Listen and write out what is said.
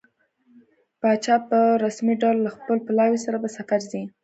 پاچا په رسمي ډول له خپل پلاوي سره په سفر ځي.